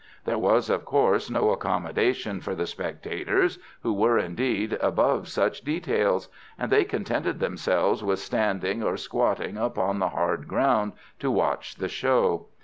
There was, of course, no accommodation for the spectators, who were indeed above such details; and they contented themselves with standing, or squatting, upon the hard ground to watch the show.